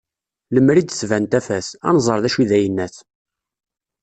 Lemmer di d-tban tafat, ad nẓer d acu i d ayennat